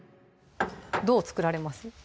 どう作られます？